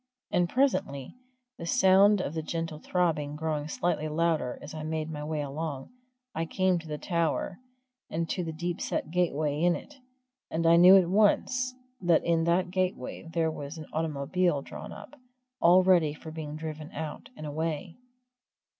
And presently the sound of the gentle throbbing growing slightly louder as I made my way along I came to the tower, and to the deep set gateway in it, and I knew at once that in that gateway there was an automobile drawn up, all ready for being driven out and away.